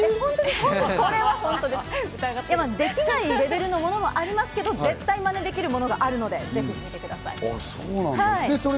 できないレベルのものもありますけど、絶対マネできるものがあるので、おすすめ。